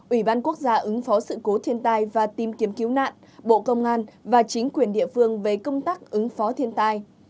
ủy ban quốc gia ứng phó sự cố thiên tai và tìm kiếm cứu nạn bộ công an và chính quyền địa phương về công tác ứng phó thiên tai